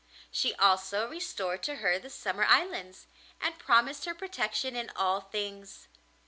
She also restored to her the Summer Islands, and promised her protection in all things.